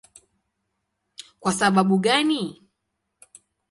Kwa sababu gani?